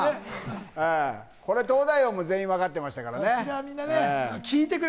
東大王も全員分かってましたからね。